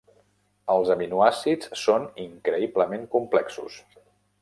Els aminoàcids són increïblement complexos.